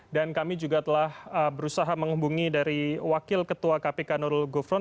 dan kami juga telah berusaha menghubungi dari wakil ketua kpk nurul govron